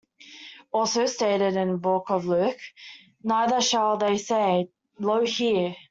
Also stated in the Book of Luke - Neither shall they say, Lo here!